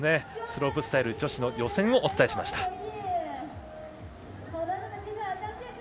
スロープスタイル女子の予選をお伝えしました。